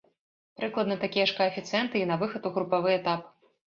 Прыкладна такія ж каэфіцыенты і на выхад у групавы этап.